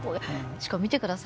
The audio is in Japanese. しかも見て下さい。